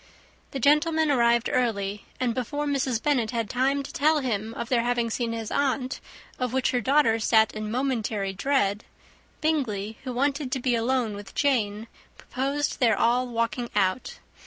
The gentlemen arrived early; and, before Mrs. Bennet had time to tell him of their having seen his aunt, of which her daughter sat in momentary dread, Bingley, who wanted to be alone with Jane, proposed their all walking out.